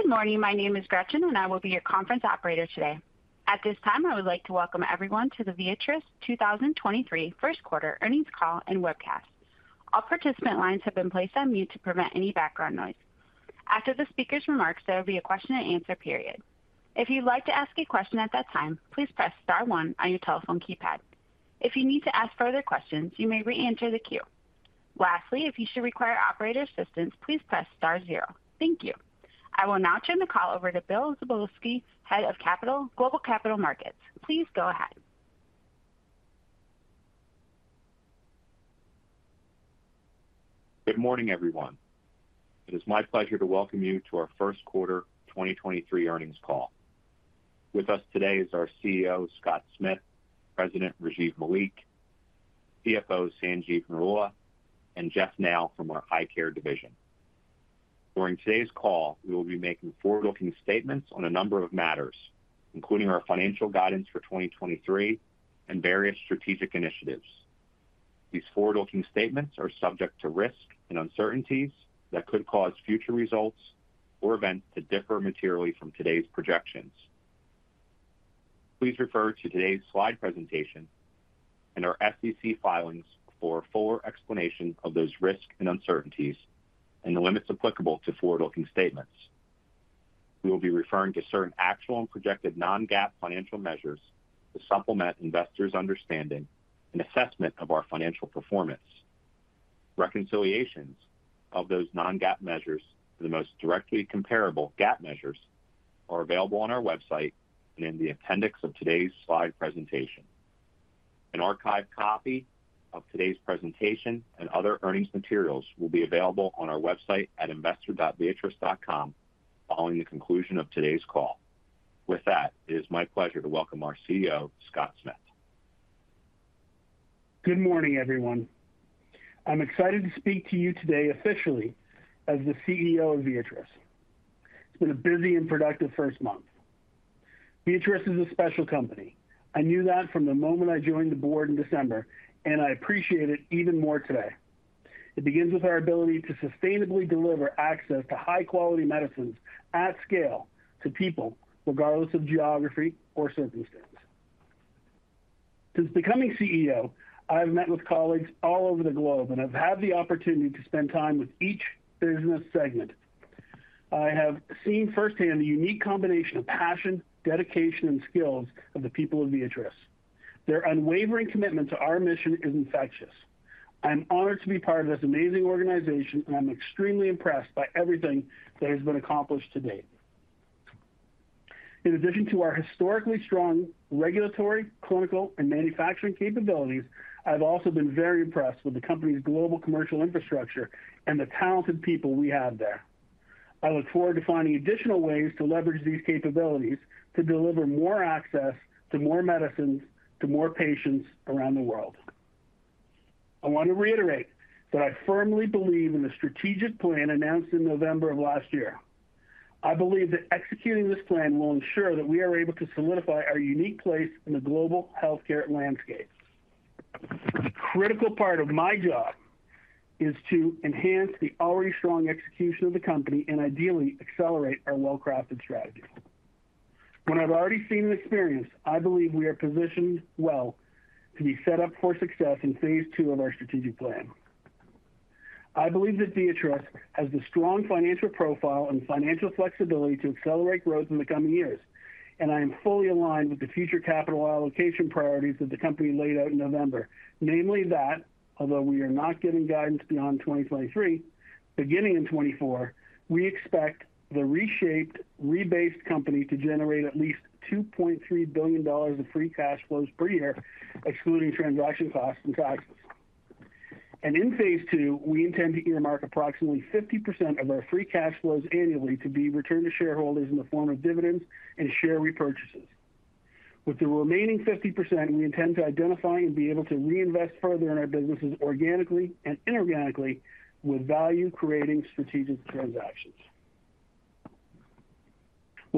Good morning. My name is Gretchen, and I will be your conference operator today. At this time, I would like to welcome everyone to the Viatris 2023 1st quarter earnings call and webcast. All participant lines have been placed on mute to prevent any background noise. After the speaker's remarks, there will be a question and answer period. If you'd like to ask a question at that time, please press star one on your telephone keypad. If you need to ask further questions, you may re-enter the queue. Lastly, if you should require operator assistance, please press star 0. Thank you. I will now turn the call over to Bill Szablewski, Head of Global Capital Markets. Please go ahead. Good morning, everyone. It is my pleasure to welcome you to our first quarter 2023 earnings call. With us today is our CEO, Scott Smith, President Rajiv Malik, CFO Sanjeev Narula, and Jeff Nau from our Eye Care division. During today's call, we will be making forward-looking statements on a number of matters, including our financial guidance for 2023 and various strategic initiatives. These forward-looking statements are subject to risks and uncertainties that could cause future results or events to differ materially from today's projections. Please refer to today's slide presentation and our SEC filings for a fuller explanation of those risks and uncertainties and the limits applicable to forward-looking statements. We will be referring to certain actual and projected non-GAAP financial measures to supplement investors' understanding and assessment of our financial performance. Reconciliations of those non-GAAP measures to the most directly comparable GAAP measures are available on our website and in the appendix of today's slide presentation. An archived copy of today's presentation and other earnings materials will be available on our website at investor.viatris.com following the conclusion of today's call. With that, it is my pleasure to welcome our CEO, Scott Smith. Good morning, everyone. I'm excited to speak to you today officially as the CEO of Viatris. It's been a busy and productive first month. Viatris is a special company. I knew that from the moment I joined the board in December. I appreciate it even more today. It begins with our ability to sustainably deliver access to high-quality medicines at scale to people, regardless of geography or circumstance. Since becoming CEO, I have met with colleagues all over the globe. I've had the opportunity to spend time with each business segment. I have seen firsthand the unique combination of passion, dedication, and skills of the people of Viatris. Their unwavering commitment to our mission is infectious. I'm honored to be part of this amazing organization. I'm extremely impressed by everything that has been accomplished to date. In addition to our historically strong regulatory, clinical, and manufacturing capabilities, I've also been very impressed with the company's global commercial infrastructure and the talented people we have there. I look forward to finding additional ways to leverage these capabilities to deliver more access to more medicines to more patients around the world. I want to reiterate that I firmly believe in the strategic plan announced in November of last year. I believe that executing this plan will ensure that we are able to solidify our unique place in the global healthcare landscape. A critical part of my job is to enhance the already strong execution of the company and ideally accelerate our well-crafted strategy. From what I've already seen and experienced, I believe we are positioned well to be set up for success in phase two of our strategic plan. I believe that Viatris has the strong financial profile and financial flexibility to accelerate growth in the coming years, and I am fully aligned with the future capital allocation priorities that the company laid out in November. Namely that, although we are not giving guidance beyond 2023, beginning in 2024, we expect the reshaped, rebased company to generate at least $2.3 billion of free cash flows per year, excluding transaction costs and taxes. In phase two, we intend to earmark approximately 50% of our free cash flows annually to be returned to shareholders in the form of dividends and share repurchases. With the remaining 50%, we intend to identify and be able to reinvest further in our businesses organically and inorganically with value-creating strategic transactions.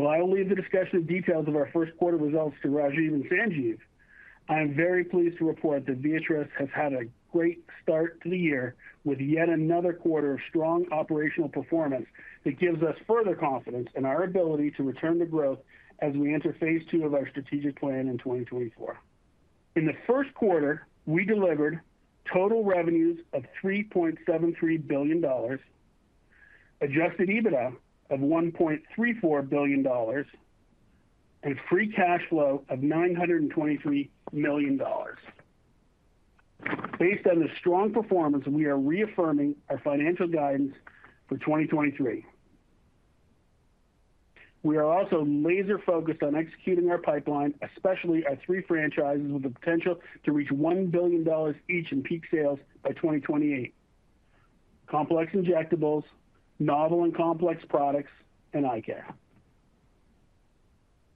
While I will leave the discussion of details of our first quarter results to Rajiv and Sanjeev, I am very pleased to report that Viatris has had a great start to the year with yet another quarter of strong operational performance that gives us further confidence in our ability to return to growth as we enter phase II of our strategic plan in 2024. In the first quarter, we delivered total revenues of $3.73 billion, adjusted EBITDA of $1.34 billion, and free cash flow of $923 million. Based on the strong performance, we are reaffirming our financial guidance for 2023. We are also laser-focused on executing our pipeline, especially our three franchises with the potential to reach $1 billion each in peak sales by 2028: complex injectables, novel and complex products, and eye care.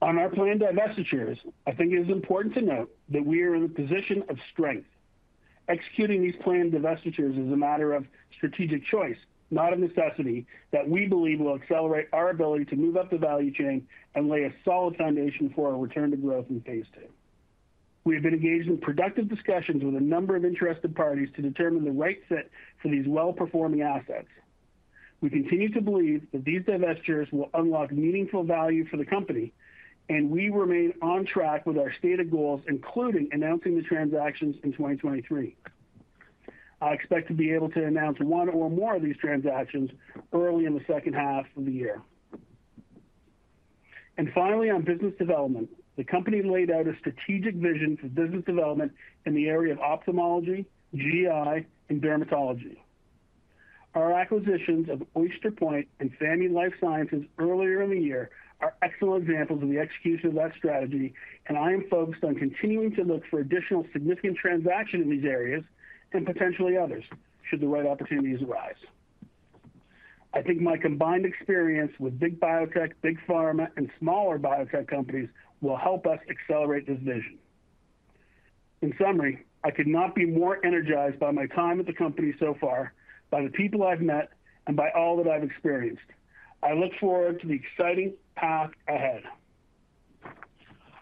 On our planned divestitures, I think it is important to note that we are in a position of strength. Executing these planned divestitures is a matter of strategic choice, not a necessity, that we believe will accelerate our ability to move up the value chain and lay a solid foundation for our return to growth in phase two. We have been engaged in productive discussions with a number of interested parties to determine the right fit for these well-performing assets. We continue to believe that these divestitures will unlock meaningful value for the company, and we remain on track with our stated goals, including announcing the transactions in 2023. I expect to be able to announce one or more of these transactions early in the second half of the year. Finally, on business development, the company laid out a strategic vision for business development in the area of ophthalmology, GI, and dermatology. Our acquisitions of Oyster Point and Famy Life Sciences earlier in the year are excellent examples of the execution of that strategy, and I am focused on continuing to look for additional significant transaction in these areas and potentially others should the right opportunities arise. I think my combined experience with big biotech, big pharma, and smaller biotech companies will help us accelerate this vision. In summary, I could not be more energized by my time at the company so far, by the people I've met, and by all that I've experienced. I look forward to the exciting path ahead.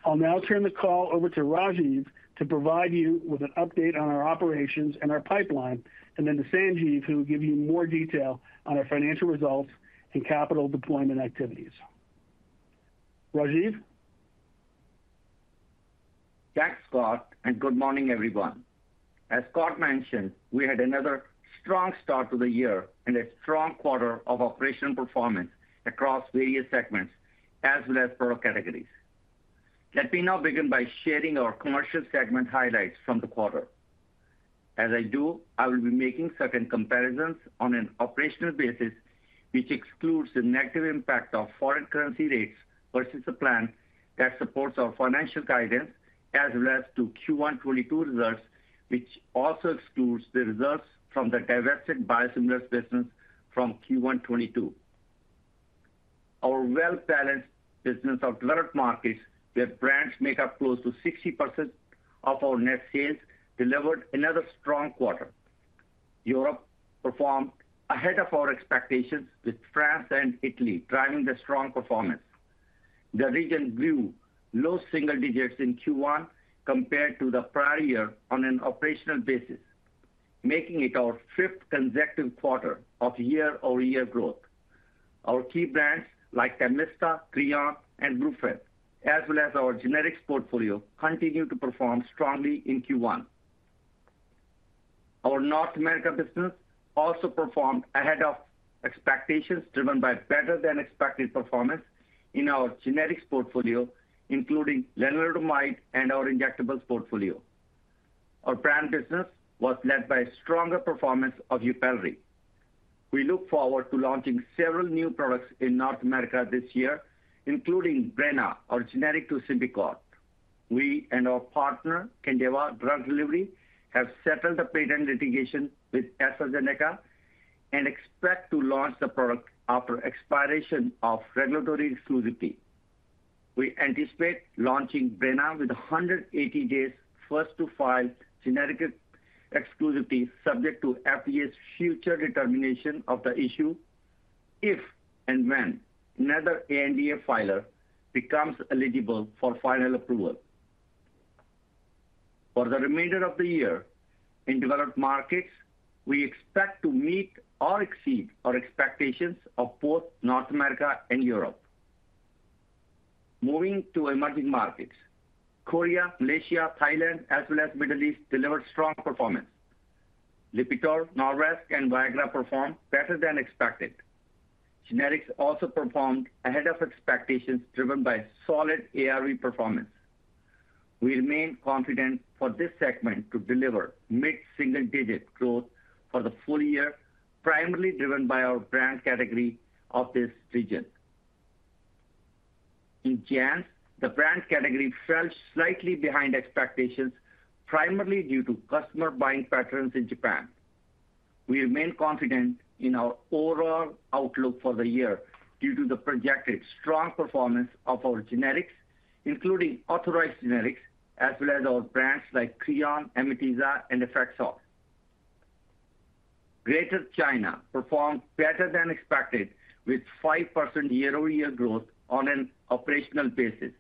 I'll now turn the call over to Rajiv to provide you with an update on our operations and our pipeline and then to Sanjeev, who will give you more detail on our financial results and capital deployment activities. Rajiv? Thanks, Scott. Good morning, everyone. As Scott mentioned, we had another strong start to the year and a strong quarter of operational performance across various segments as well as product categories. Let me now begin by sharing our commercial segment highlights from the quarter. As I do, I will be making certain comparisons on an operational basis, which excludes the negative impact of foreign currency rates versus the plan that supports our financial guidance as relates to Q1 2022 results, which also excludes the results from the divested biosimilars business from Q1 2022. Our well-balanced business of developed markets, where brands make up close to 60% of our net sales, delivered another strong quarter. Europe performed ahead of our expectations with France and Italy driving the strong performance. The region grew low single digits in Q1 compared to the prior year on an operational basis, making it our fifth consecutive quarter of year-over-year growth. Our key brands like Amitiza, Creon, and Brufen, as well as our generics portfolio, continued to perform strongly in Q1. Our North America business also performed ahead of expectations driven by better than expected performance in our generics portfolio, including lenalidomide and our injectables portfolio. Our brand business was led by stronger performance of Yupelri. We look forward to launching several new products in North America this year, including Breyna, our generic to Symbicort. We and our partner, Kindeva Drug Delivery, have settled the patent litigation with AstraZeneca and expect to launch the product after expiration of regulatory exclusivity. We anticipate launching Breyna with 180 days first-to-file generic exclusivity subject to FDA's future determination of the issue if and when another ANDA filer becomes eligible for final approval. For the remainder of the year in developed markets, we expect to meet or exceed our expectations of both North America and Europe. Moving to emerging markets, Korea, Malaysia, Thailand, as well as Middle East delivered strong performance. Lipitor, Norvasc, and Viagra performed better than expected. Generics also performed ahead of expectations driven by solid ARE performance. We remain confident for this segment to deliver mid-single-digit growth for the full year, primarily driven by our brand category of this region. In JANZ, the brand category fell slightly behind expectations, primarily due to customer buying patterns in Japan. We remain confident in our overall outlook for the year due to the projected strong performance of our generics, including authorized generics, as well as our brands like Creon, Amitiza, and Effexor. Greater China performed better than expected with 5% year-over-year growth on an operational basis.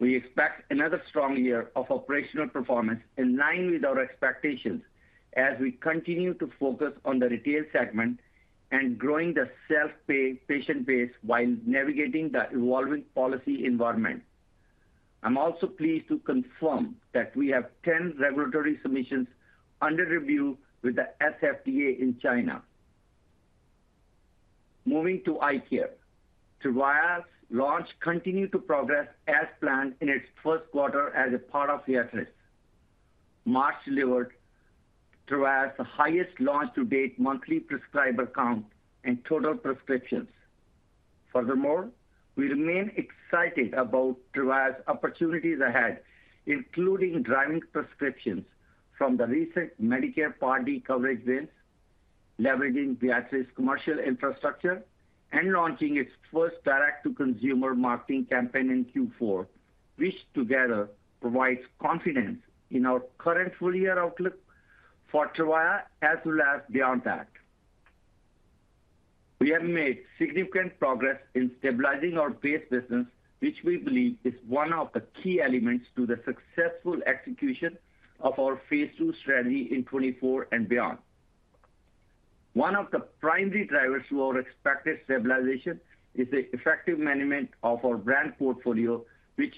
We expect another strong year of operational performance in line with our expectations as we continue to focus on the retail segment and growing the self-pay patient base while navigating the evolving policy environment. I'm also pleased to confirm that we have 10 regulatory submissions under review with the SFDA in China. Moving to eye care. Tyrvaya's launch continued to progress as planned in its first quarter as a part of Viatris. March delivered Tyrvaya's highest launch to date monthly prescriber count and total prescriptions. Furthermore, we remain excited about Tyrvaya's opportunities ahead, including driving prescriptions from the recent Medicare Part D coverage wins, leveraging the Viatris commercial infrastructure, and launching its first direct-to-consumer marketing campaign in Q4, which together provides confidence in our current full-year outlook for Tyrvaya as well as beyond that. We have made significant progress in stabilizing our base business, which we believe is one of the key elements to the successful execution of our phase two strategy in 2024 and beyond. One of the primary drivers to our expected stabilization is the effective management of our brand portfolio, which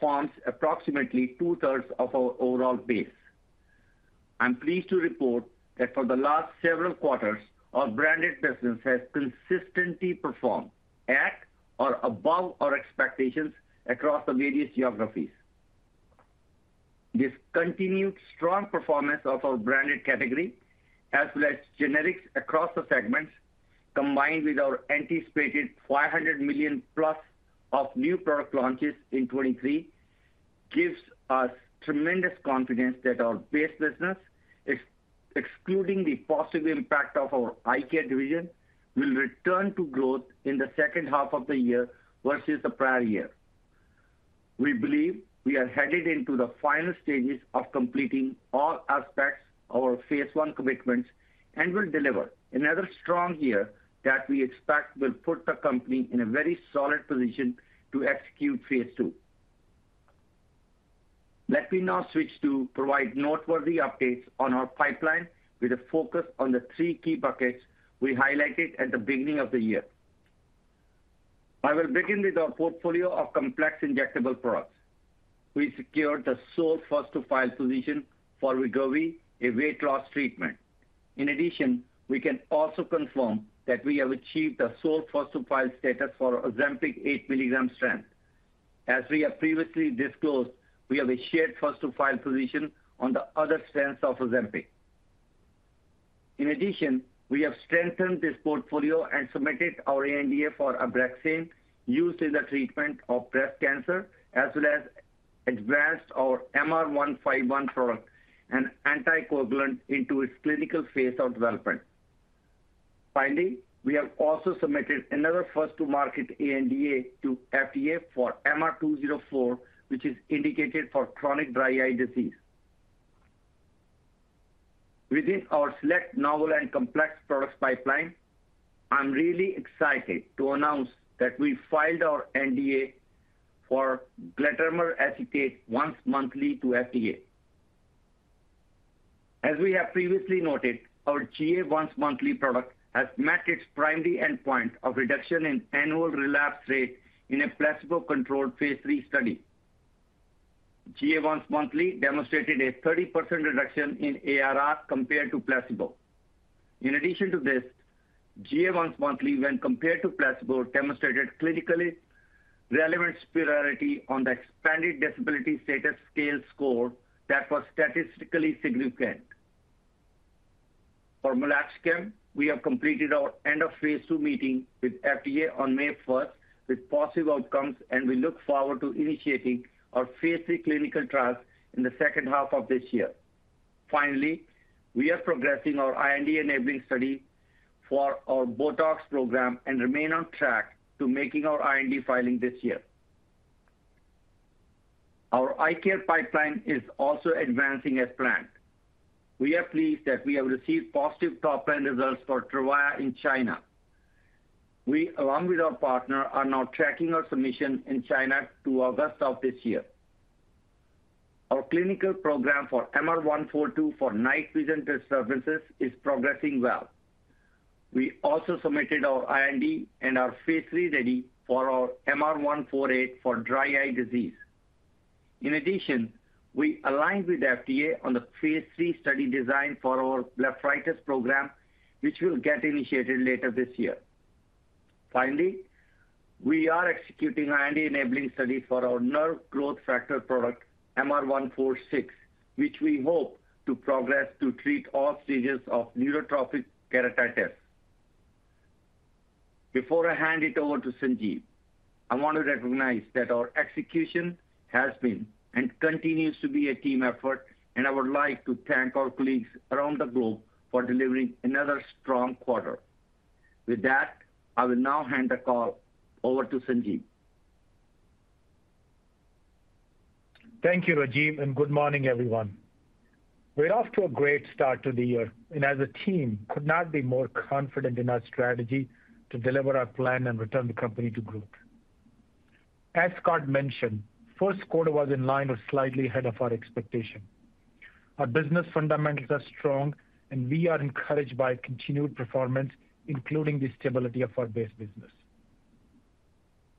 forms approximately two-thirds of our overall base. I'm pleased to report that for the last several quarters, our branded business has consistently performed at or above our expectations across the various geographies. This continued strong performance of our branded category, as well as generics across the segments, combined with our anticipated $500 million+ of new product launches in 2023, gives us tremendous confidence that our base business, excluding the positive impact of our Eye Care Division, will return to growth in the second half of the year versus the prior year. We believe we are headed into the final stages of completing all aspects of our Phase one commitments and will deliver another strong year that we expect will put the company in a very solid position to execute Phase two. Let me now switch to provide noteworthy updates on our pipeline with a focus on the three key buckets we highlighted at the beginning of the year. I will begin with our portfolio of complex injectable products. We secured the sole first to file position for Wegovy, a weight loss treatment. We can also confirm that we have achieved the sole first to file status for Ozempic eight mg strength. As we have previously disclosed, we have a shared first to file position on the other strengths of Ozempic. We have strengthened this portfolio and submitted our ANDA for Abraxane used in the treatment of breast cancer, as well as advanced our MR-151 product and anticoagulant into its clinical phase of development. Finally, we have also submitted another first to market ANDA to FDA for MR-204, which is indicated for chronic dry eye disease. Within our select novel and complex products pipeline, I'm really excited to announce that we filed our NDA for glatiramer acetate once monthly to FDA. As we have previously noted, our GA once monthly product has met its primary endpoint of reduction in annual relapse rate in a placebo-controlled phase three study. GA once monthly demonstrated a 30% reduction in ARR compared to placebo. In addition to this, GA once monthly, when compared to placebo, demonstrated clinically relevant superiority on the Expanded Disability Status Scale score that was statistically significant. For meloxicam, we have completed our end of phase II meeting with FDA on May 1st with positive outcomes, and we look forward to initiating our phase three clinical trials in the second half of this year. We are progressing our IND-enabling study for our Botox program and remain on track to making our IND filing this year. Our eye care pipeline is also advancing as planned. We are pleased that we have received positive top-line results for Tyrvaya in China. We, along with our partner, are now tracking our submission in China to August of this year. Our clinical program for MR-142 for night vision disturbances is progressing well. We also submitted our IND and are Phase III-ready for our MR-148 for dry eye disease. In addition, we aligned with FDA on the phase III study design for our blepharitis program, which will get initiated later this year. We are executing our IND-enabling study for our nerve growth factor product, MR-146, which we hope to progress to treat all stages of neurotrophic keratitis. Before I hand it over to Sanjeev, I want to recognize that our execution has been and continues to be a team effort, and I would like to thank our colleagues around the globe for delivering another strong quarter. With that, I will now hand the call over to Sanjeev. Thank you, Rajiv. Good morning, everyone. We're off to a great start to the year and as a team could not be more confident in our strategy to deliver our plan and return the company to growth. As Scott mentioned, 1st quarter was in line or slightly ahead of our expectation. Our business fundamentals are strong, and we are encouraged by continued performance, including the stability of our base business.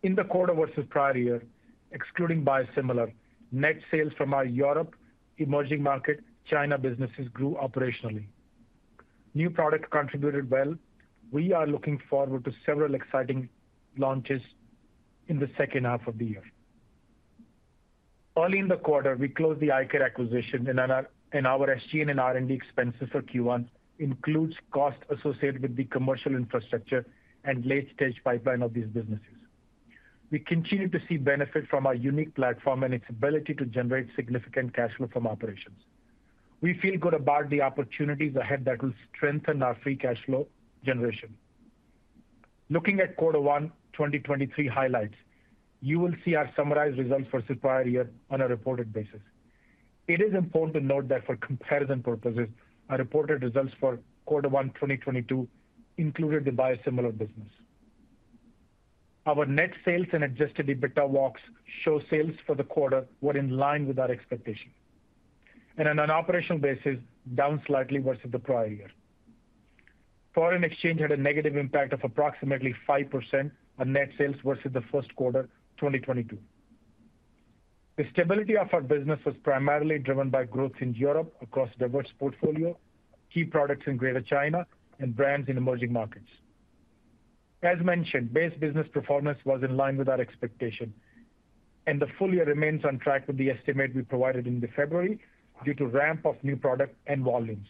In the quarter versus prior year, excluding biosimilar, net sales from our Europe emerging market, China businesses grew operationally. New product contributed well. We are looking forward to several exciting launches in the 2nd half of the year. Early in the quarter, we closed the eye care acquisition and our SG&A and R&D expenses for Q1 includes costs associated with the commercial infrastructure and late-stage pipeline of these businesses. We continue to see benefit from our unique platform and its ability to generate significant cash flow from operations. We feel good about the opportunities ahead that will strengthen our free cash flow generation. Looking at quarter one 2023 highlights, you will see our summarized results versus prior year on a reported basis. It is important to note that for comparison purposes, our reported results for quarter one 2022 included the biosimilar business. Our net sales and adjusted EBITDA walks show sales for the quarter were in line with our expectation. On an operational basis, down slightly versus the prior year. Foreign exchange had a negative impact of approximately 5% on net sales versus the first quarter 2022. The stability of our business was primarily driven by growth in Europe across diverse portfolio, key products in Greater China, and brands in emerging markets. As mentioned, base business performance was in line with our expectation, and the full year remains on track with the estimate we provided in the February due to ramp of new product and volumes.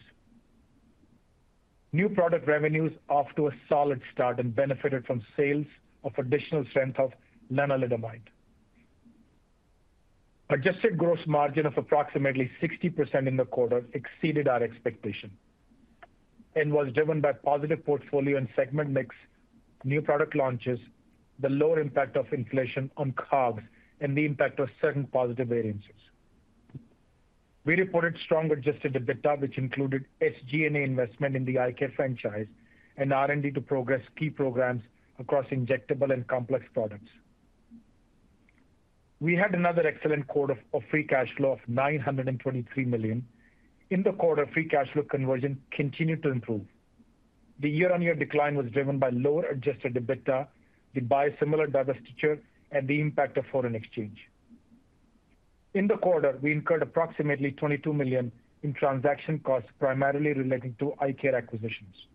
New product revenues off to a solid start and benefited from sales of additional strength of lenalidomide. Adjusted gross margin of approximately 60% in the quarter exceeded our expectation and was driven by positive portfolio and segment mix, new product launches, the lower impact of inflation on COGS, and the impact of certain positive variances. We reported strong adjusted EBITDA, which included SG&A investment in the eye care franchise and R&D to progress key programs across injectable and complex products. We had another excellent quarter of free cash flow of $923 million. In the quarter, free cash flow conversion continued to improve. The year-on-year decline was driven by lower adjusted EBITDA, the biosimilar divestiture, and the impact of foreign exchange. In the quarter, we incurred approximately $22 million in transaction costs, primarily relating to eye care acquisitions.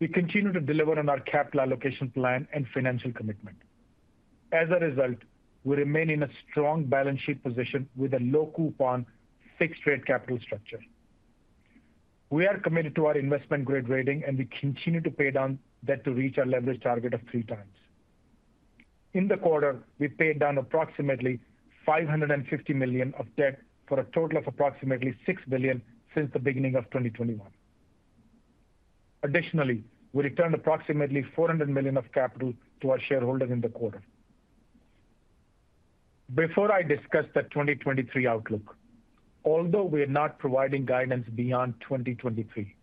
We continue to deliver on our capital allocation plan and financial commitment. As a result, we remain in a strong balance sheet position with a low coupon fixed rate capital structure. We are committed to our investment-grade rating. We continue to pay down debt to reach our leverage target of 3x. In the quarter, we paid down approximately $550 million of debt for a total of approximately $6 billion since the beginning of 2021. Additionally, we returned approximately $400 million of capital to our shareholders in the quarter. Before I discuss the 2023 outlook, although we are not providing guidance beyond 2023,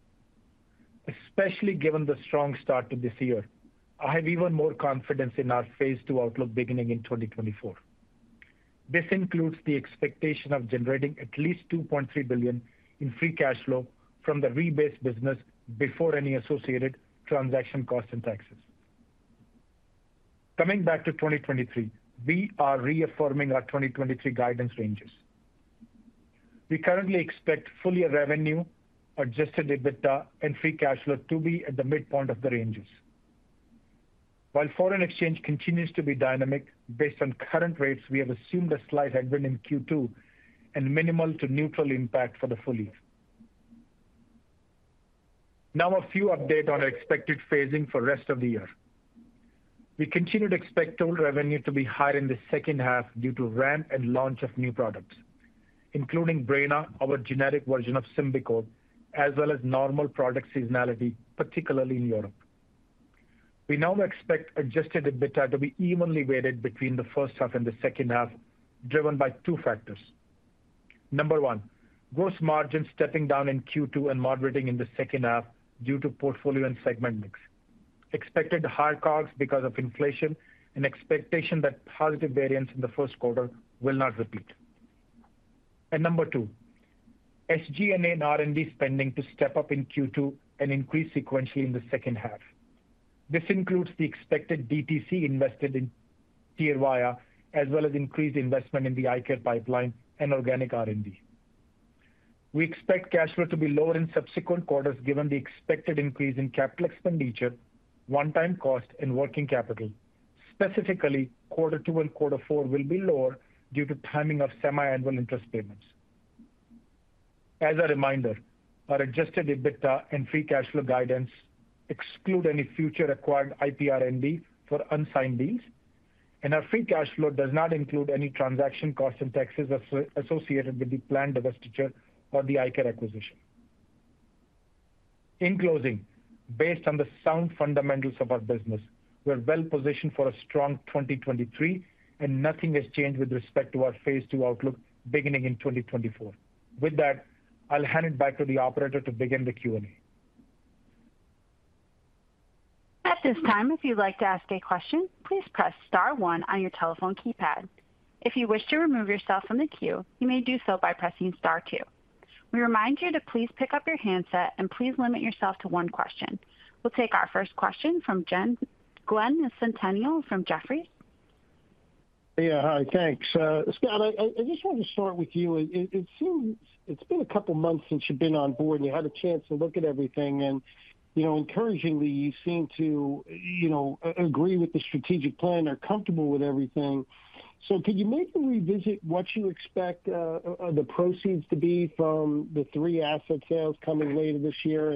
especially given the strong start to this year, I have even more confidence in our Phase II outlook beginning in 2024. This includes the expectation of generating at least $2.3 billion in free cash flow from the rebased business before any associated transaction costs and taxes. Coming back to 2023, we are reaffirming our 2023 guidance ranges. We currently expect full-year revenue, adjusted EBITDA, and free cash flow to be at the midpoint of the ranges. While foreign exchange continues to be dynamic, based on current rates, we have assumed a slight headwind in Q2 and minimal to neutral impact for the full year. A few update on our expected phasing for rest of the year. We continue to expect total revenue to be higher in the second half due to ramp and launch of new products, including Breyna, our generic version of Symbicort, as well as normal product seasonality, particularly in Europe. We now expect adjusted EBITDA to be evenly weighted between the first half and the second half, driven by two factors. Number one, gross margin stepping down in Q2 and moderating in the second half due to portfolio and segment mix. Expected higher COGS because of inflation and expectation that positive variance in the first quarter will not repeat. Number two, SG&A and R&D spending to step up in Q2 and increase sequentially in the second half. This includes the expected DTC invested in Tyrvaya, as well as increased investment in the eye care pipeline and organic R&D. We expect cash flow to be lower in subsequent quarters, given the expected increase in capital expenditure, one-time cost, and working capital. Specifically, quarter two and quarter four will be lower due to timing of semiannual interest payments. As a reminder, our adjusted EBITDA and free cash flow guidance exclude any future acquired IPR&D for unsigned deals, and our free cash flow does not include any transaction costs and taxes associated with the planned divestiture or the eye care acquisition. In closing, based on the sound fundamentals of our business, we are well positioned for a strong 2023, and nothing has changed with respect to our phase two outlook beginning in 2024. With that, I'll hand it back to the operator to begin the Q&A. At this time, if you'd like to ask a question, please press star one on your telephone keypad. If you wish to remove yourself from the queue, you may do so by pressing star two. We remind you to please pick up your handset and please limit yourself to 1 question. We'll take our first question from Glen Santangelo from Jefferies. Yeah. Hi. Thanks. Scott, I just wanted to start with you. It seems it's been a couple months since you've been on board, and you had a chance to look at everything and, you know, encouragingly, you seem to, you know, agree with the strategic plan or comfortable with everything. Could you maybe revisit what you expect the proceeds to be from the three asset sales coming later this year?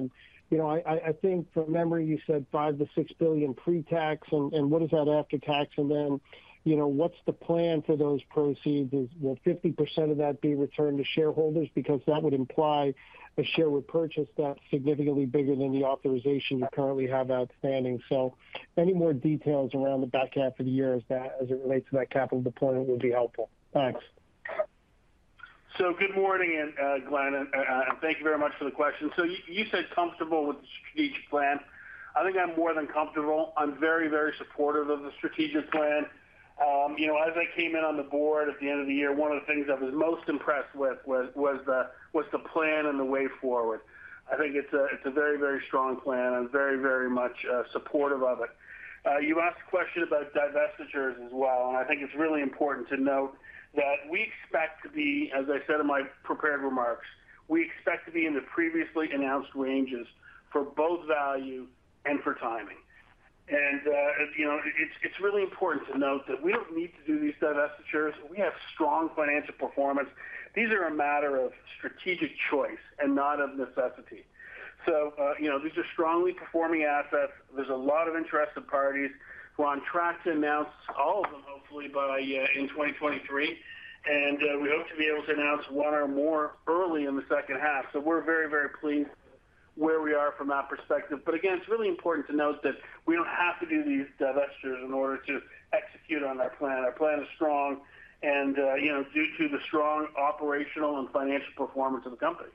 You know, I think from memory, you said $5 billion-$6 billion pre-tax and what is that after tax? Then, you know, what's the plan for those proceeds? Will 50% of that be returned to shareholders? Because that would imply a share repurchase that's significantly bigger than the authorization you currently have outstanding. Any more details around the back half of the year as it relates to that capital deployment would be helpful. Thanks. Good morning and Glen, thank you very much for the question. You said comfortable with the strategic plan. I think I'm more than comfortable. I'm very, very supportive of the strategic plan. You know, as I came in on the board at the end of the year, one of the things I was most impressed with was the plan and the way forward. I think it's a very, very strong plan. I'm very, very much supportive of it. You asked a question about divestitures as well, and I think it's really important to note that we expect to be, as I said in my prepared remarks, we expect to be in the previously announced ranges for both value and for timing. As you know, it's really important to note that we don't need to do these divestitures. We have strong financial performance. These are a matter of strategic choice and not of necessity. You know, these are strongly performing assets. There's a lot of interested parties. We're on track to announce all of them, hopefully by 2023. We hope to be able to announce one or more early in the second half. We're very, very pleased where we are from that perspective. Again, it's really important to note that we don't have to do these divestitures in order to execute on our plan. Our plan is strong and, you know, due to the strong operational and financial performance of the company.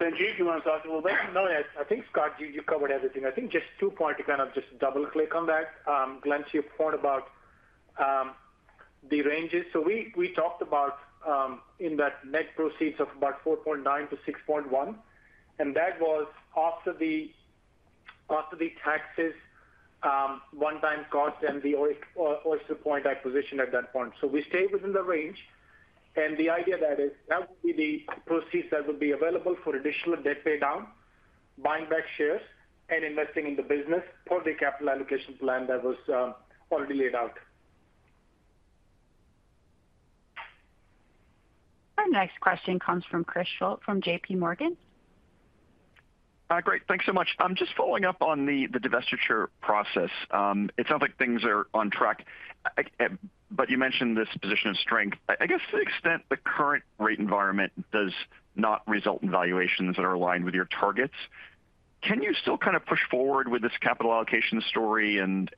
Sanjeev, do you want to talk a little bit? No, I think, Scott, you covered everything. I think just two point to kind of just double-click on that. Glen, to your point about the ranges. We talked about in that net proceeds of about $4.9 billion-$6.1 billion, and that was after the taxes, one-time cost and the Oyster Point acquisition at that point. We stayed within the range. The idea that is, that would be the proceeds that would be available for additional debt pay down, buying back shares, and investing in the business per the capital allocation plan that was already laid out. Our next question comes from Chris Schott from J.P. Morgan. Great. Thanks so much. I'm just following up on the divestiture process. It sounds like things are on track. You mentioned this position of strength. I guess to the extent the current rate environment does not result in valuations that are aligned with your targets, can you still kind of push forward with this capital allocation story and,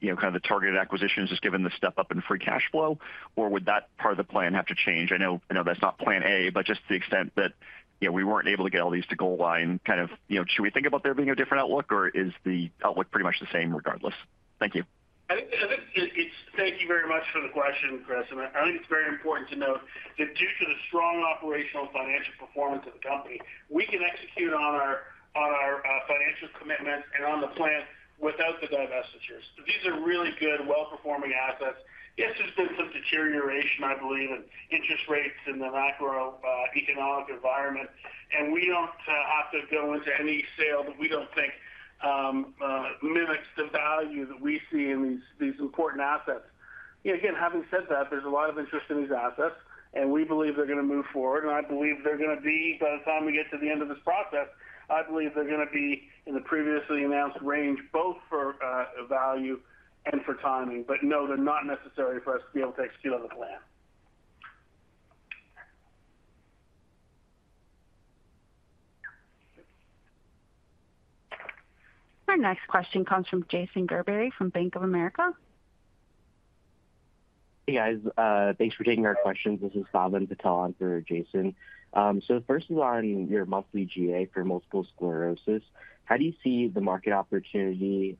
you know, kind of the targeted acquisitions just given the step-up in free cash flow? Would that part of the plan have to change? I know that's not plan A, but just to the extent that, you know, we weren't able to get all these to goal line, kind of, you know, should we think about there being a different outlook or is the outlook pretty much the same regardless? Thank you. I think it's... Thank you very much for the question, Chris. I think it's very important to note that due to the strong operational financial performance of the company, we can execute on our financial commitments and on the plan without the divestitures. These are really good, well-performing assets. Yes, there's been some deterioration, I believe, in interest rates in the macroeconomic environment, we don't have to go into any sale that we don't think mimics the value that we see in these important assets. You know, again, having said that, there's a lot of interest in these assets, we believe they're gonna move forward. I believe they're gonna be, by the time we get to the end of this process, I believe they're gonna be in the previously announced range, both for value and for timing. No, they're not necessary for us to be able to execute on the plan. Our next question comes from Jason Gerberry from Bank of America. Hey, guys. Thanks for taking our questions. This is Sabin Patel on for Jason. First is on your monthly GA for multiple sclerosis. How do you see the market opportunity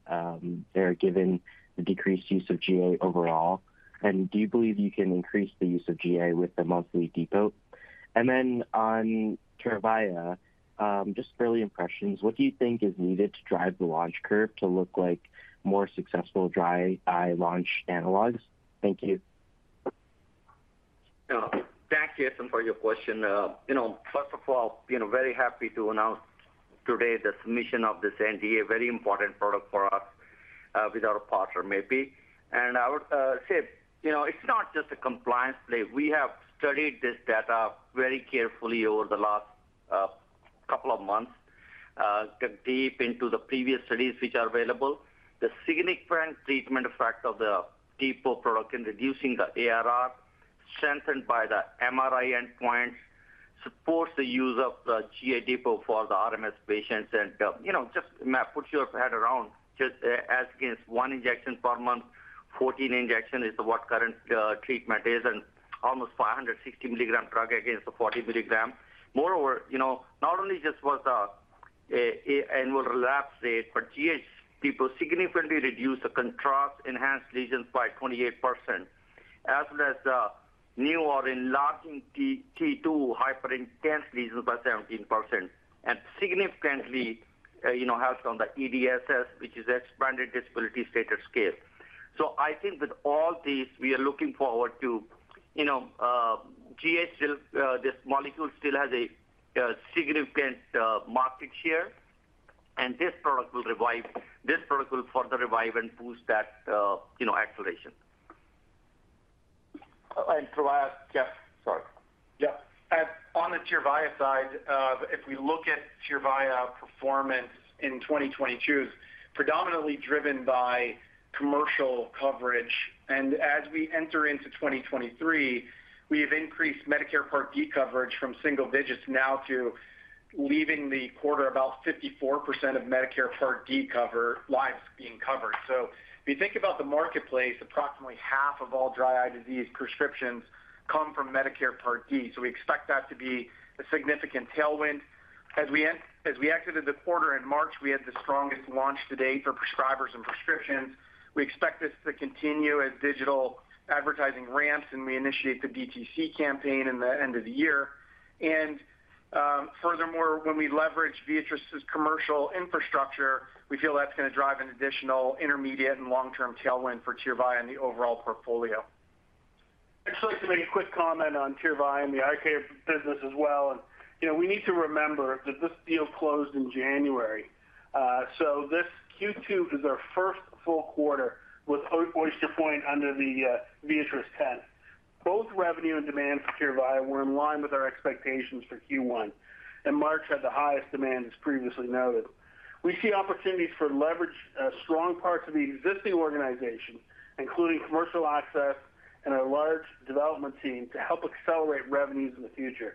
there given the decreased use of GA overall? Do you believe you can increase the use of GA with the monthly depot? On Tyrvaya, just early impressions, what do you think is needed to drive the launch curve to look like more successful dry eye launch analogs? Thank you. Thank you, Jason, for your question. You know, first of all, you know, very happy to announce today the submission of this NDA, very important product for us, with our partner, Mapi. I would say, you know, it's not just a compliance play. We have studied this data very carefully over the last couple of months, deep into the previous studies which are available. The significant treatment effect of the depot product in reducing the ARR strengthened by the MRI endpoint supports the use of the GA Depot for the RMS patients. You know, just put your head around, just as against 1 injection per month, 14 injection is what current treatment is and almost 560 milligram drug against the 40 milligram. Moreover, you know, not only just was the annual relapse rate, but GA Depot significantly reduced the contrast-enhancing lesions by 28%, as well as new or enlarging T2 hyperintense lesions by 17%, and significantly, you know, helped on the EDSS, which is Expanded Disability Status Scale. So I think with all this, we are looking forward to, you know, GA still. This molecule still has a significant market share, and this product will revive. This product will further revive and boost that, you know, acceleration. To add, Jeff. Sorry. Yeah. On the Tyrvaya side, if we look at Tyrvaya performance in 2022 is predominantly driven by commercial coverage. As we enter into 2023 We have increased Medicare Part D coverage from single digits now to leaving the quarter about 54% of Medicare Part D cover lives being covered. If you think about the marketplace, approximately half of all dry eye disease prescriptions come from Medicare Part D. We expect that to be a significant tailwind. As we exited the quarter in March, we had the strongest launch to date for prescribers and prescriptions. We expect this to continue as digital advertising ramps, we initiate the DTC campaign in the end of the year. Furthermore, when we leverage Viatris' commercial infrastructure, we feel that's going to drive an additional intermediate and long-term tailwind for Tyrvaya and the overall portfolio. I'd just like to make a quick comment on Tyrvaya and the eye care business as well. You know, we need to remember that this deal closed in January, so this Q2 is our first full quarter with Oyster Point under the Viatris tent. Both revenue and demand for Tyrvaya were in line with our expectations for Q1, and March had the highest demand as previously noted. We see opportunities for leverage, strong parts of the existing organization, including commercial access and our large development team to help accelerate revenues in the future,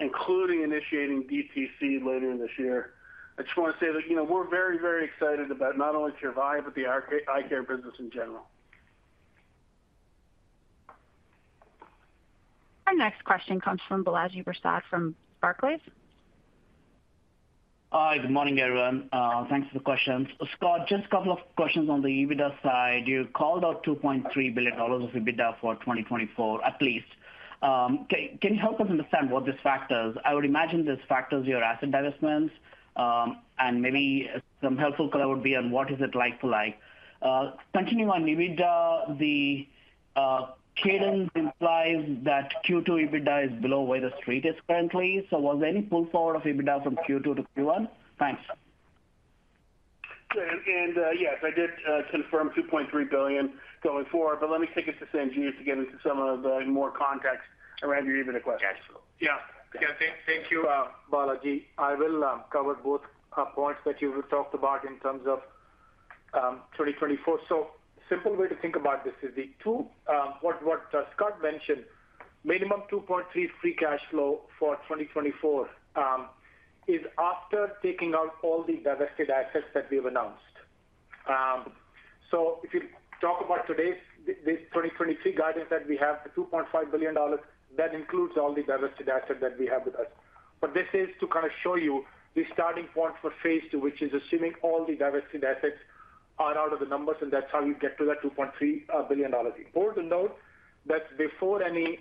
including initiating DTC later in this year. I just want to say that, you know, we're very, very excited about not only Tyrvaya, but the eye care business in general. Our next question comes from Balaji Prasad from Barclays. Hi, good morning, everyone. Thanks for the questions. Scott, just a couple of questions on the EBITDA side. You called out $2.3 billion of EBITDA for 2024, at least. Can you help us understand what this factors? I would imagine this factors your asset divestments, and maybe some helpful color would be on what is it like for like. Continuing on EBITDA, the cadence implies that Q2 EBITDA is below where the street is currently. Was there any pull-forward of EBITDA from Q2 to Q1? Thanks. Yes, I did confirm $2.3 billion going forward, but let me kick it to Sanjeev to get into some of the more context around your EBITDA question. Yes. Yeah. Yeah. Thank you, Balaji. I will cover both points that you talked about in terms of 2024. Simple way to think about this is the two, what Scott mentioned, minimum $2.3 billion free cash flow for 2024 is after taking out all the divested assets that we have announced. If you talk about today's 2023 guidance that we have, the $2.5 billion, that includes all the divested assets that we have with us. This is to kind of show you the starting point for phase two, which is assuming all the divested assets are out of the numbers, and that's how you get to that $2.3 billion. Important to note that before any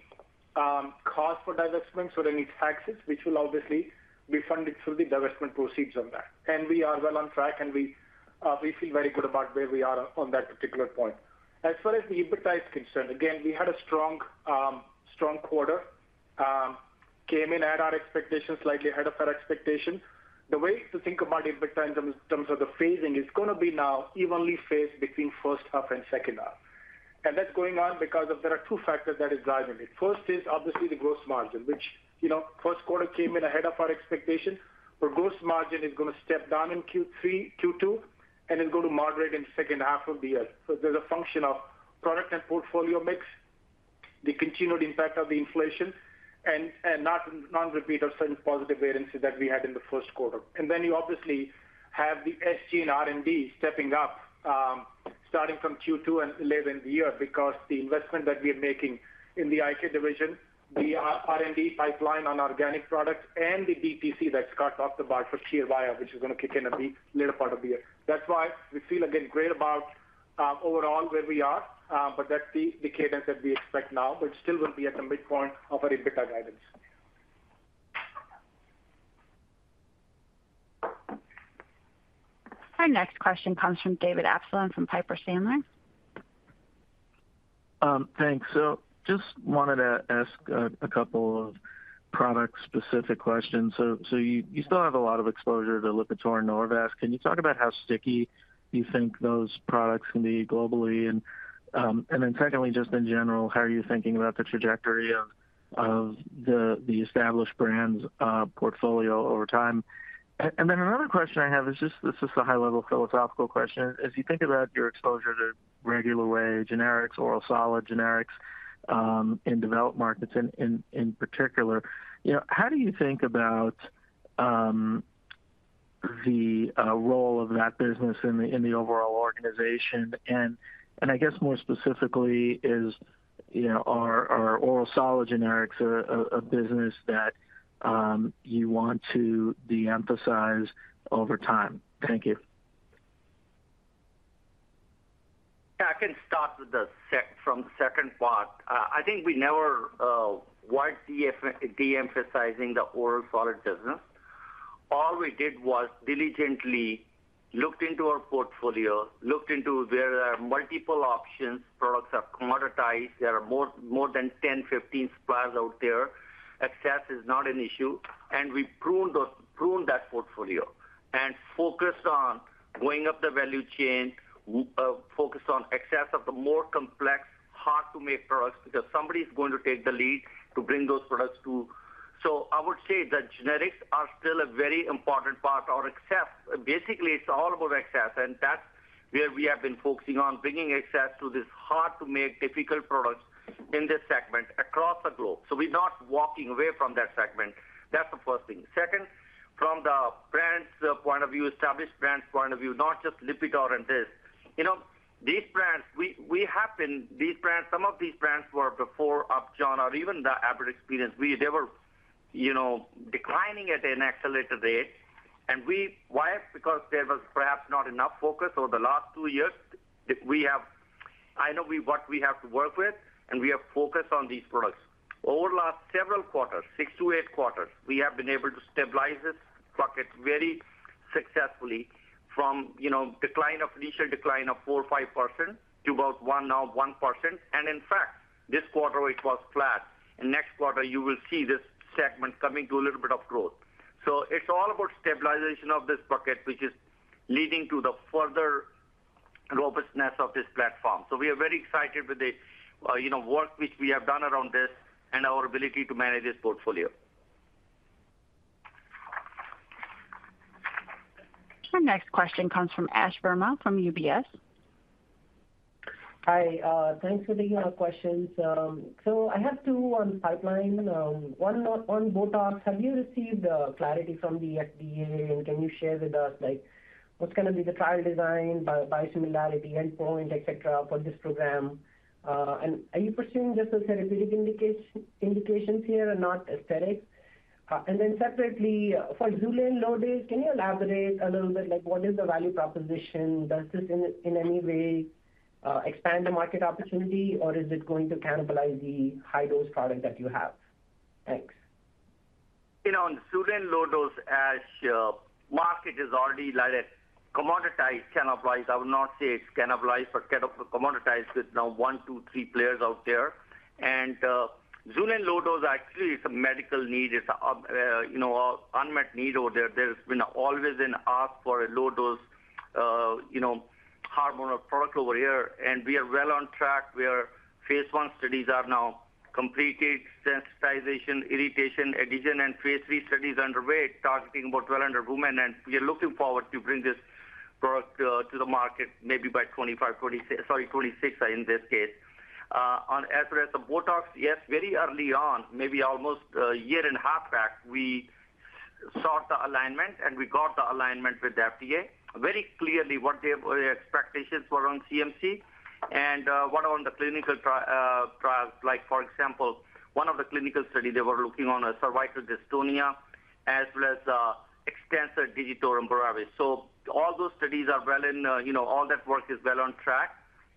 cost for divestments or any taxes, which will obviously be funded through the divestment proceeds on that. We are well on track, and we feel very good about where we are on that particular point. As far as the EBITDA is concerned, again, we had a strong quarter, came in at our expectations, slightly ahead of our expectations. The way to think about EBITDA in terms of the phasing is going to be now evenly phased between first half and second half. That's going on because of there are two factors that is driving it. First is obviously the gross margin, which, you know, first quarter came in ahead of our expectation. Our gross margin is going to step down in Q2, and then go to moderate in the second half of the year. There's a function of product and portfolio mix, the continued impact of the inflation and non-repeat of certain positive variances that we had in the first quarter. Then you obviously have the SG in R&D stepping up, starting from Q2 and late in the year because the investment that we are making in the eye care division, the R&D pipeline on organic products and the DTC that Scott talked about for Tyrvaya, which is going to kick in at the later part of the year. That's why we feel again great about overall where we are, but that's the cadence that we expect now, but still will be at the midpoint of our EBITDA guidance. Our next question comes from David Amsellem from Piper Sandler. Thanks. Just wanted to ask a couple of product-specific questions. You still have a lot of exposure to Lipitor and Norvasc. Can you talk about how sticky you think those products can be globally? Then secondly, just in general, how are you thinking about the trajectory of the established brands portfolio over time? Then another question I have is just, this is a high-level philosophical question. As you think about your exposure to regular way generics, oral solid generics, in developed markets in particular, you know, how do you think about the role of that business in the overall organization? I guess more specifically is, you know, are oral solid generics a business that you want to de-emphasize over time? Thank you. I can start from the second part. I think we never weren't deemphasizing the oral solid business. All we did was diligently looked into our portfolio, looked into where there are multiple options, products are commoditized. There are more than 10, 15 suppliers out there. Access is not an issue. We pruned that portfolio and focused on going up the value chain, focused on access of the more complex, hard-to-make products, because somebody's going to take the lead to bring those products to. I would say that generics are still a very important part of access. Basically, it's all about access, and that's where we have been focusing on bringing access to these hard to make difficult products in this segment across the globe. We're not walking away from that segment. That's the first thing. Second, from the brand's point of view, established brand's point of view, not just Lipitor and this. You know, these brands, some of these brands were before Upjohn or even the Abbott experience. They were, you know, declining at an accelerated rate. We... Why? Because there was perhaps not enough focus over the last two years. We have... I know what we have to work with, and we are focused on these products. Over last several quarters, six to eight quarters, we have been able to stabilize this bucket very successfully from, you know, initial decline of 4% or 5% to about 1%, now 1%. In fact, this quarter it was flat. Next quarter you will see this segment coming to a little bit of growth. It's all about stabilization of this bucket, which is leading to the further robustness of this platform. We are very excited with the, you know, work which we have done around this and our ability to manage this portfolio. Our next question comes from Ash Verma from UBS. Hi, thanks for taking our questions. I have two on pipeline. One on Botox. Have you received clarity from the FDA? Can you share with us, like, what's gonna be the trial design by similarity, endpoint, et cetera, for this program? Are you pursuing just the therapeutic indications here and not aesthetics? Separately for Xulane low dose, can you elaborate a little bit like what is the value proposition? Does this in any way expand the market opportunity, or is it going to cannibalize the high dose product that you have? Thanks. You know, on Xulane low dose, Ash, market is already like a commoditized cannibalized. I would not say it's cannibalized, but commoditized with now one, two, three players out there. Xulane low dose actually is a medical need. It's a, you know, unmet need over there. There's been always an ask for a low dose, you know, hormonal product over here. We are well on track. We are phase I studies are now completed, sensitization, irritation, adhesion, and phase III study is underway, targeting about 1,200 women. We are looking forward to bring this product to the market maybe by 2025, 2026... Sorry, 2026 in this case. On as well as the Botox, yes, very early on, maybe almost a year and a half back, we sought the alignment, and we got the alignment with the FDA. Very clearly what their expectations were on CMC and what on the clinical trials. Like, for example, one of the clinical study, they were looking on a cervical dystonia as well as extensor digitorum brevis. All those studies are well in, you know, all that work is well on track,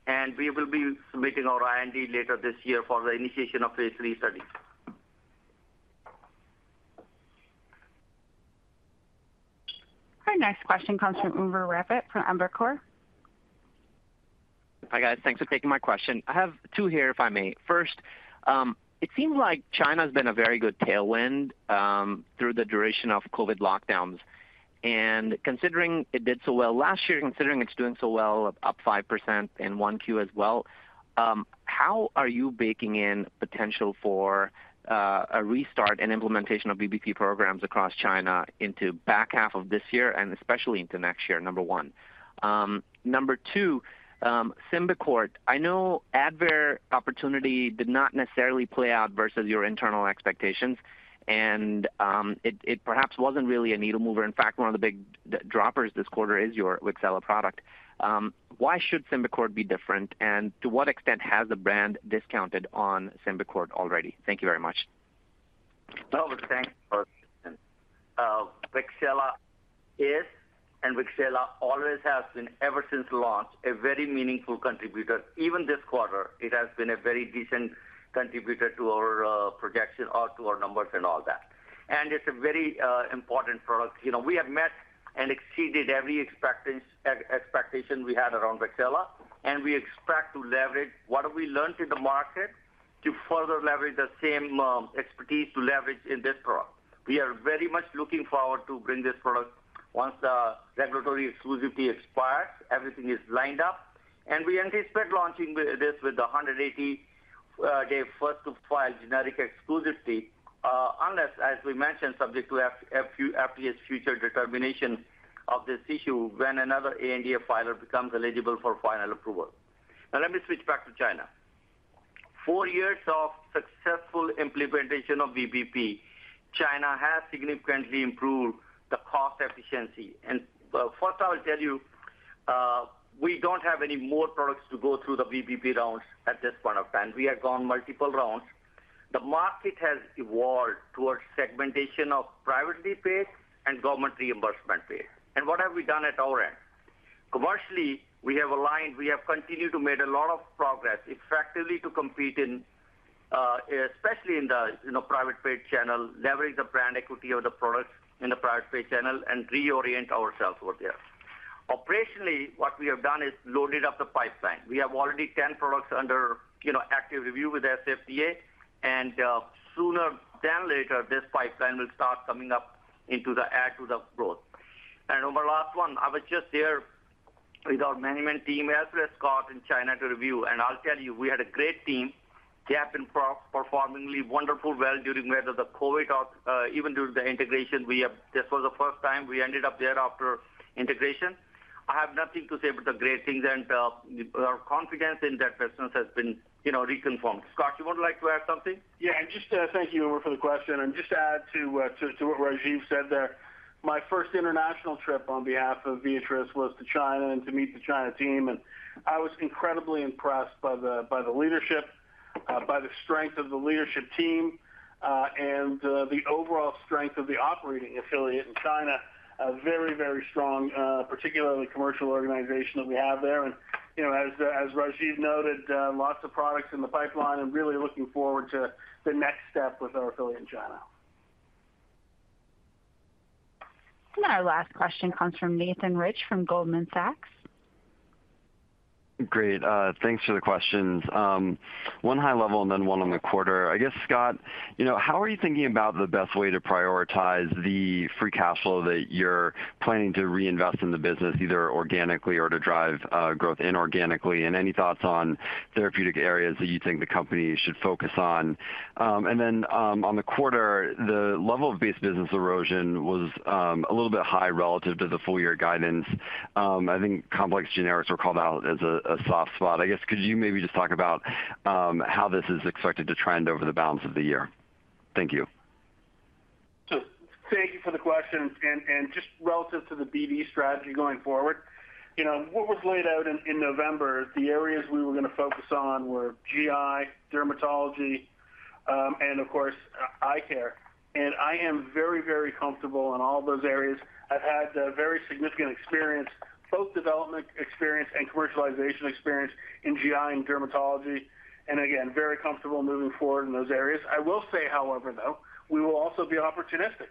and we will be submitting our IND later this year for the initiation of phase three studies. Our next question comes from Umer Raffat from Evercore. Hi, guys. Thanks for taking my question. I have two here, if I may. First, it seems like China's been a very good tailwind through the duration of COVID lockdowns. Considering it did so well last year, considering it's doing so well, up 5% in 1Q as well, how are you baking in potential for a restart and implementation of VBP programs across China into back half of this year and especially into next year? Number one. Number two, Symbicort. I know Advair opportunity did not necessarily play out versus your internal expectations, and it perhaps wasn't really a needle mover. In fact, one of the big droppers this quarter is your Wixela product. Why should Symbicort be different? To what extent has the brand discounted on Symbicort already? Thank you very much. Thanks for the question. Wixela is and Wixela always has been, ever since launch, a very meaningful contributor. Even this quarter, it has been a very decent contributor to our projection or to our numbers and all that. It's a very important product. You know, we have met and exceeded every expectation we had around Wixela, and we expect to leverage what we learned in the market to further leverage the same expertise to leverage in this product. We are very much looking forward to bring this product once the regulatory exclusivity expires, everything is lined up. We anticipate launching this with the 180 day first of file generic exclusivity, unless, as we mentioned, subject to FDA's future determination of this issue when another ANDA filer becomes eligible for final approval. Now let me switch back to China. 4 years of successful implementation of VBP, China has significantly improved the cost efficiency. First, I will tell you, we don't have any more products to go through the VBP rounds at this point of time. We have gone multiple rounds. The market has evolved towards segmentation of privately paid and government reimbursement paid. What have we done at our end? Commercially, we have aligned, we have continued to make a lot of progress effectively to compete in, especially in the, you know, private paid channel, leverage the brand equity of the products in the private paid channel and reorient ourselves over there. Operationally, what we have done is loaded up the pipeline. We have already 10 products under, you know, active review with the FDA. Sooner than later, this pipeline will start coming up into the add to the growth. On my last one, I was just there with our management team, as Scott in China to review. I'll tell you, we had a great team. They have been pro-performingly wonderful well during whether the COVID or even during the integration. This was the first time we ended up there after integration. I have nothing to say but the great things, our confidence in that business has been, you know, reconfirmed. Scott, you would like to add something? Yeah. And just, thank you for the question, and just add to what Rajiv said there. My first international trip on behalf of Viatris was to China and to meet the China team, and I was incredibly impressed by the leadership, by the strength of the leadership team, and the overall strength of the operating affiliate in China. A very strong, particularly commercial organization that we have there. You know, as Rajiv noted, lots of products in the pipeline and really looking forward to the next step with our affiliate in China. Our last question comes from Nathan Rich from Goldman Sachs. Great. Thanks for the questions. One high level and then one on the quarter. I guess, Scott, you know, how are you thinking about the best way to prioritize the free cash flow that you're planning to reinvest in the business, either organically or to drive growth inorganically? Any thoughts on therapeutic areas that you think the company should focus on? Then on the quarter, the level of base business erosion was a little bit high relative to the full year guidance. I think complex generics were called out as a soft spot. I guess, could you maybe just talk about how this is expected to trend over the balance of the year? Thank you. Thank you for the questions. Just relative to the Viatris strategy going forward, you know, what was laid out in November, the areas we were going to focus on were GI, dermatology, and of course, eye care. I am very, very comfortable in all those areas. I've had very significant experience, both development experience and commercialization experience in GI and dermatology, and again, very comfortable moving forward in those areas. I will say, however, though, we will also be opportunistic.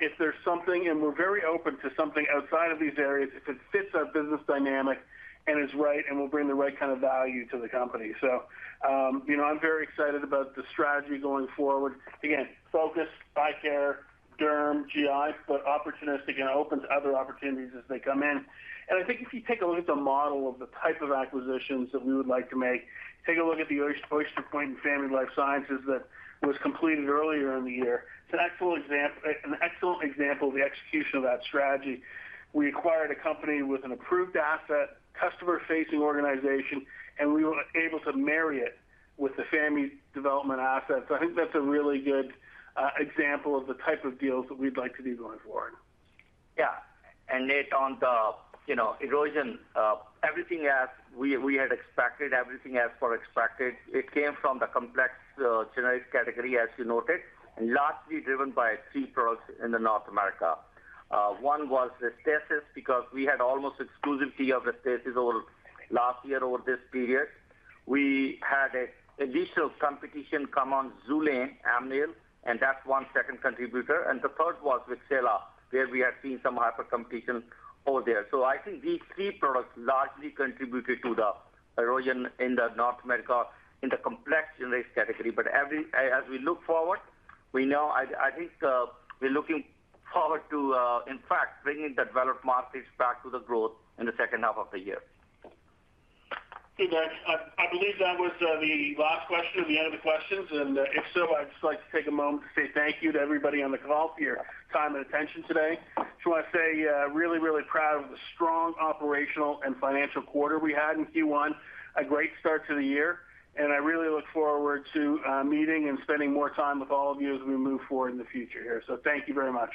If there's something, and we're very open to something outside of these areas, if it fits our business dynamic and is right and will bring the right kind of value to the company. You know, I'm very excited about the strategy going forward. Again, focus, eye care, derm, GI, but opportunistic and open to other opportunities as they come in. I think if you take a look at the model of the type of acquisitions that we would like to make, take a look at the Oyster Point and Famy Life Sciences that was completed earlier in the year. It's an excellent example of the execution of that strategy. We acquired a company with an approved asset, customer-facing organization, and we were able to marry it with the Famy development assets. I think that's a really good example of the type of deals that we'd like to do going forward. Yeah. Nate, on the, you know, erosion, everything as we had expected, everything as per expected, it came from the complex generic category, as you noted, largely driven by three products in the North America. one was Restasis, because we had almost exclusivity of Restasis over last year, over this period. We had an initial competition come on Xulane, Amneal, that's first second contributor. The third was with Wixela, where we have seen some hyper competition over there. I think these three products largely contributed to the erosion in the North America in the complex generic category. As we look forward, I think, we're looking forward to, in fact, bringing developed markets back to the growth in the second half of the year. Okay, guys. I believe that was the last question or the end of the questions. If so, I'd just like to take a moment to say thank you to everybody on the call for your time and attention today. Just wanna say, really proud of the strong operational and financial quarter we had in Q1, a great start to the year, and I really look forward to meeting and spending more time with all of you as we move forward in the future here. Thank you very much.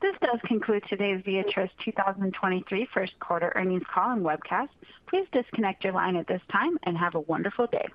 This does conclude today's Viatris 2023 first quarter earnings call and webcast. Please disconnect your line at this time, and have a wonderful day.